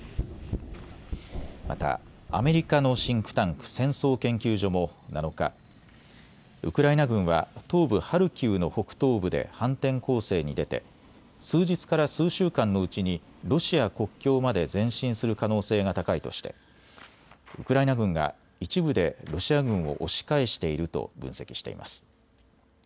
またアメリカのシンクタンク、戦争研究所も７日、ウクライナ軍は東部ハルキウの北東部で反転攻勢に出て数日から数週間のうちにロシア国境まで前進する可能性が高いとしてウクライナ軍が一部でロシア軍を押し返していると分析しています。